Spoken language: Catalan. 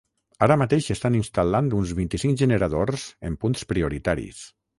Ara mateix s'estan instal·lant uns vint-i-cinc generadors en punts prioritaris.